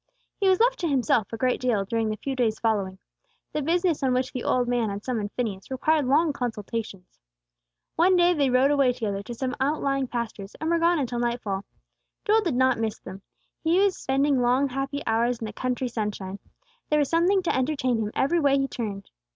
He was left to himself a great deal during the few days following. The business on which the old man had summoned Phineas required long consultations. One day they rode away together to some outlying pastures, and were gone until night fall. Joel did not miss them. He was spending long happy hours in the country sunshine. There was something to entertain him, every way he turned.